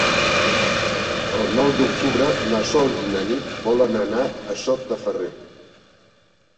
El nou d'octubre na Sol i na Nit volen anar a Sot de Ferrer.